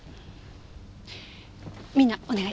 みんなお願い。